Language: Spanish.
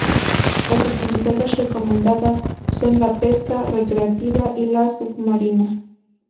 Las actividades recomendadas son la pesca recreativa y la submarina.